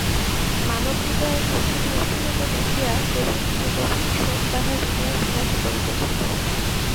মানবহৃদয়ের কঠিন নিষ্ঠুরতা দেখিয়া কেবল সুগভীর শোক তাঁহার হৃদয়ে বিরাজ করিতেছিল।